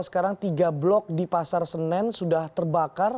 sekarang tiga blok di pasar senen sudah terbakar